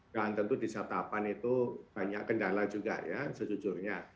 dan tentu di saat tahapan itu banyak kendala juga ya sejujurnya